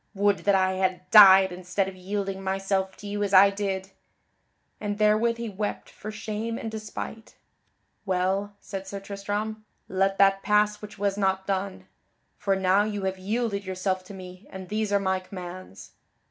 Would that I had died instead of yielding myself to you as I did." And therewith he wept for shame and despite. "Well," said Sir Tristram, "let that pass which was not done. For now you have yielded yourself to me and these are my commands."